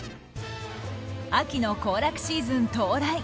秋の行楽シーズン到来。